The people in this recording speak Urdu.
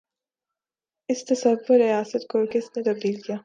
اس تصور ریاست کو کس نے تبدیل کیا؟